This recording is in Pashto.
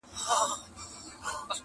چي پنیر یې وو له خولې څخه وتلی!